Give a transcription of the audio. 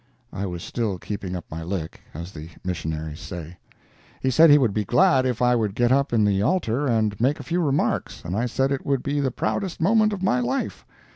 (I was still keeping up my lick, as the missionaries say.) He said he would be glad if I would get up in the altar and make a few remarks, and I said it would be the proudest moment of my life.